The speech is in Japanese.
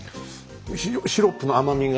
シロップの甘みがですね